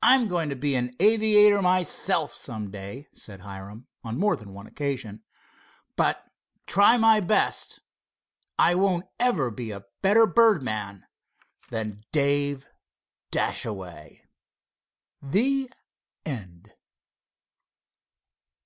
"I'm going to be an aviator myself some day," said Hiram, on more than one occasion. "But, try my best, I won't ever be a better birdman than Dave Dashaway!" THE END.